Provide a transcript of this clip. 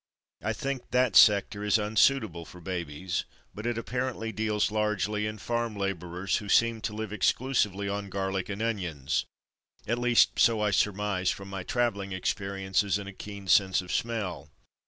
I think that sector is unsuitable for babies, but it apparently deals largely in farm labourers, who seem to live exclusively on garlic and onions (at least so I surmise from my travelling experi ences and a keen sense of smell).